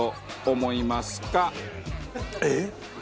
えっ？